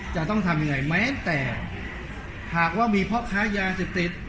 จะต้องทำยังไงแม้แต่หากว่ามีพ่อค้ายาเสพติด